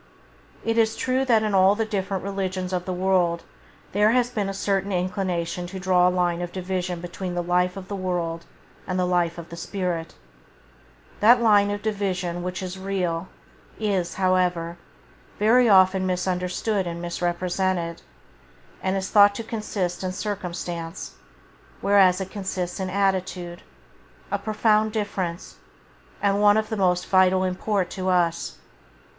It is true that in all the different religions of the world there has been a certain inclination to draw a line of division between the life of the world and [Page 8] the life of the spirit; that line of division, which is real, is, however, very often misunderstood and misrepresented, and is thought to consist in circumstance, whereas it consists in attitude — a profound difference, and one of the most vital import to us.